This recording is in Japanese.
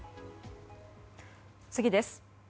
次です。